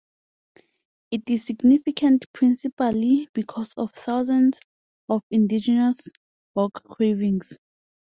It is significant principally because of thousands of Indigenous rock carvings.